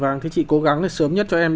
vâng thì chị cố gắng là sớm nhất cho em